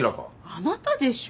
あなたでしょ。